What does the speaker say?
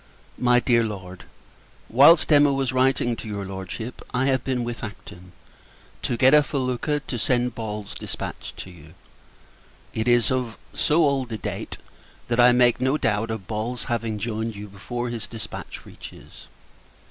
MY DEAR LORD, Whilst Emma was writing to your Lordship, I have been with Acton, to get a felucca, to send Ball's dispatch to you. It is of so old a date, that I make no doubt of Ball's having joined you before his dispatch reaches.